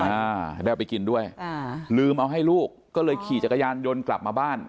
อ่าให้ได้เอาไปกินด้วยอ่าลืมเอาให้ลูกก็เลยขี่จักรยานยนต์กลับมาบ้าน